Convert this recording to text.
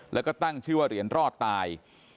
แล้วก็ตั้งชื่อว่าเหรียญรอดตาย